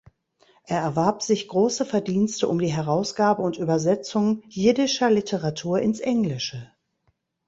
Er erwarb sich große Verdienste um die Herausgabe und Übersetzung jiddischer Literatur ins Englische.